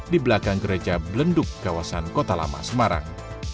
di belakang gereja belenduk kawasan kota lama semarang